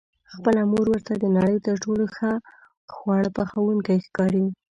خپله مور ورته د نړۍ تر ټولو ښه خواړه پخوونکې ښکاري.